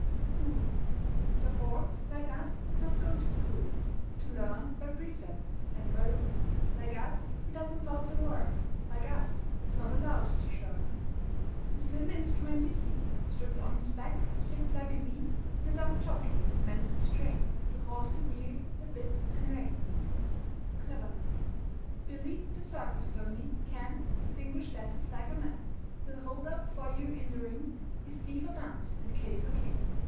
SCHOOLING. The horse, like us, must go to school To learn by precept and by rule. Like us, he does not love the work, Like us, he's not allowed to shirk. This little instrument you see Strapped on his back, shaped like a V, Is a "Dumb Jockey" meant to train The horse to bear the bit and rein. CLEVERNESS. Billy, the circus pony, can Distinguish letters like a man: He'll hold up for you in the ring His D for Dunce and K for King.